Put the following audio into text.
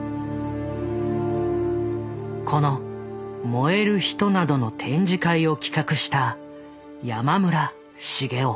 この「燃える人」などの展示会を企画した山村茂雄。